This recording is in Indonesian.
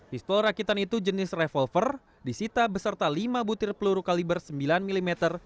pistol rakitan itu jenis revolver disita beserta lima butir peluru kaliber sembilan mm